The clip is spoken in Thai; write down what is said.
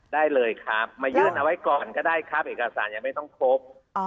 ได้เลยครับมายื่นเอาไว้ก่อนก็ได้ครับเอกสารยังไม่ต้องพบ